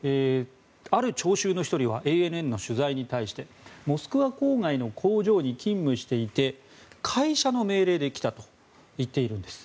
ある聴衆の１人はＡＮＮの取材に対してモスクワ郊外の工場に勤務していて会社の命令で来たと言っているんです。